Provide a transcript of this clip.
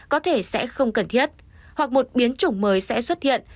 có thể sẽ không cần thiết hoặc một biến chủng mới sẽ xuất hiện